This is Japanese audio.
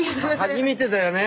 初めてだよね？